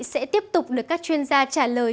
sẽ tiếp tục được các chuyên gia trả lời